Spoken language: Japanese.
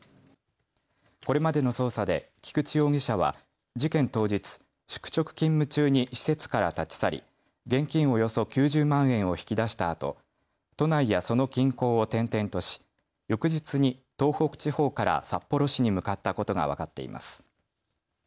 これまでの捜査で菊池容疑者は事件当日宿直勤務中に施設から立ち去り現金およそ９０万円を引き出したあと都内や、その近郊を転々とし翌日に、東北地方から札幌市に向かったことが分かっています。